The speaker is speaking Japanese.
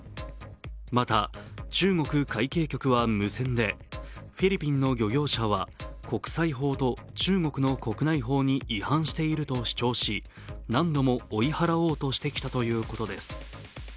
また、中国海警局は無線でフィリピンの漁業者は国際法と中国の国内法に違反していると主張し何度も追い払おうとしてきたということです。